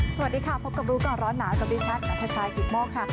สวัสดีค่ะพบกับรู้ก่อนร้อนหนาวกับดิฉันนัทชายกิตโมกค่ะ